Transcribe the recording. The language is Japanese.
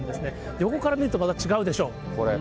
横から見るとまた違うでしょ、これ。